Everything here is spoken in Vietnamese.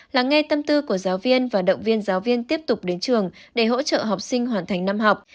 lắng nghe tâm tư của giáo viên và động viên giáo viên tiếp tục đến trường để hỗ trợ học sinh hoàn thành năm học